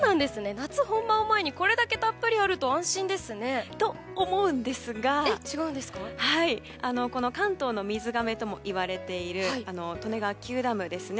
夏本番を前にこれだけたっぷりあるとと、思うんですがこの関東の水がめともいわれている利根川９ダムですね。